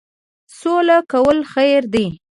سوله کول خیر دی.